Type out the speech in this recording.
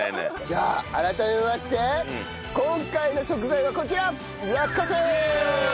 じゃあ改めまして今回の食材はこちら！